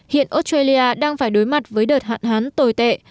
hiện australia đang phải đối mặt với đợt hạn hán tồi tệ